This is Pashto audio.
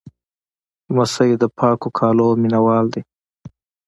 لمسی د پاکو کالیو مینهوال وي.